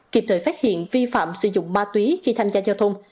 kịp thời phát hiện vi phạm sử dụng ma túy khi tham gia giao thông